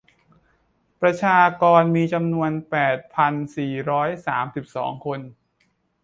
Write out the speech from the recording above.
ประชากรมีจำนวนแปดพันสี่ร้อยสามสิบสองคน